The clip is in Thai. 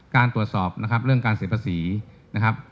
ตรวจสอบนะครับเรื่องการเสียภาษีนะครับ